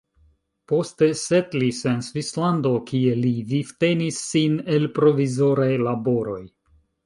Poste setlis en Svislando, kie li vivtenis sin el provizoraj laboroj.